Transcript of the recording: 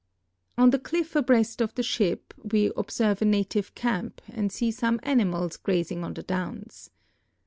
On the cliff abreast of the ship we observe a native camp and see some animals grazing on the downs.